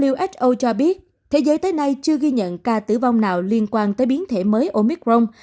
uso cho biết thế giới tới nay chưa ghi nhận ca tử vong nào liên quan tới biến thể mới omicron